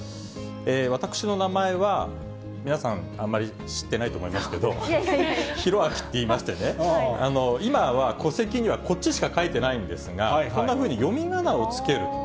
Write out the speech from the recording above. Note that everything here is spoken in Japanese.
私の名前は、皆さん、あまり知ってないと思いますけど、ヒロアキっていいましてね、今は戸籍にはこっちしか書いてないんですが、こんなふうに読みがなを付ける。